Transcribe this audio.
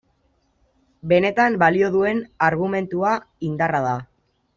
Benetan balio duen argumentua indarra da.